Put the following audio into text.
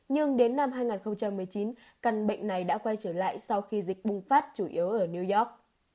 nhưng đến năm hai nghìn một mươi chín căn bệnh này đã quay trở lại sau khi dịch bùng phát chủ yếu ở new york